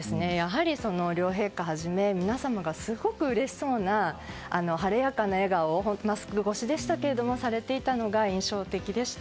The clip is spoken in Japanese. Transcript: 両陛下をはじめ皆様がすごくうれしそうな晴れやかな笑顔をマスク越しでしたがされていたのが印象的でした。